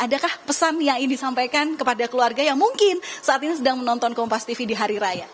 adakah pesan yang ingin disampaikan kepada keluarga yang mungkin saat ini sedang menonton kompas tv di hari raya